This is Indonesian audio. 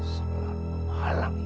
sebelah malam itu